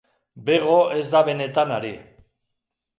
Bego ez da benetan ari.